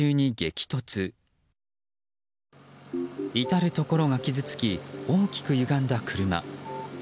至るところが傷つき大きくゆがんだ車。